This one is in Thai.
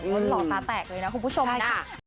หล่อตาแตกเลยนะคุณผู้ชมนะ